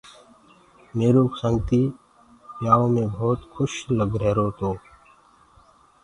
ميرو دوست ٻيآيو مي ڀوت کُش لگرهيرو تو۔